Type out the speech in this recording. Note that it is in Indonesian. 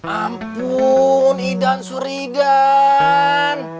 ampun idan suridan